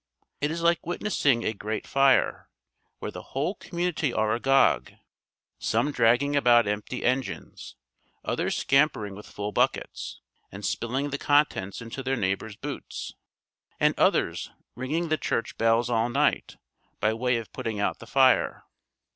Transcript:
It is like witnessing a great fire, where the whole community are agog some dragging about empty engines, others scampering with full buckets, and spilling the contents into their neighbors' boots, and others ringing the church bells all night, by way of putting out the fire.